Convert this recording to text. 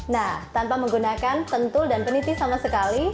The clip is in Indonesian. nah tanpa menggunakan pentul dan peniti sama sekali